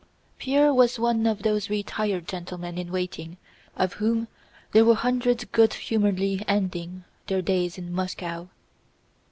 Pierre was one of those retired gentlemen in waiting of whom there were hundreds good humoredly ending their days in Moscow.